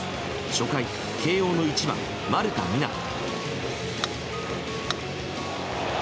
初回慶應の１番、丸田湊斗。